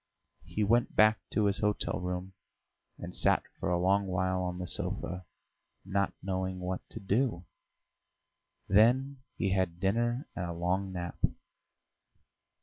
He went back to his hotel room and sat for a long while on the sofa, not knowing what to do, then he had dinner and a long nap.